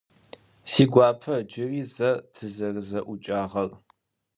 Сигуапэ джыри зэ тызэрэзэӏукӏагъэр?